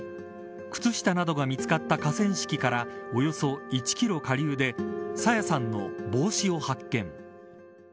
靴下などが見つかった河川敷からおよそ１キロ下流で朝芽さんの帽子を発見。